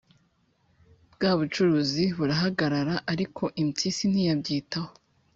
bwa bucuruzi burahagarara ariko impyisi ntiyabyitaho.